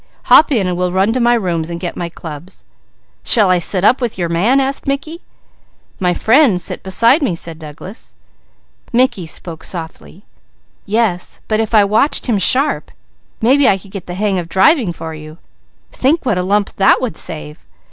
Hop in and we'll run to my rooms and get my clubs." "Shall I sit up with your man?" asked Mickey. "My friends sit beside me," said Douglas. Mickey spoke softly: "Yes, but if I watched him sharp, maybe I could get the hang of driving for you. Think what a lump that would save.